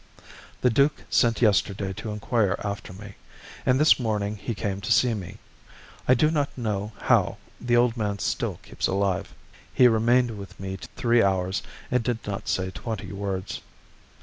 The duke sent yesterday to inquire after me, and this morning he came to see me. I do not know how the old man still keeps alive. He remained with me three hours and did not say twenty words.